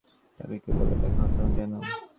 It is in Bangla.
তাকে কী বলে ডাকা হতো যেন?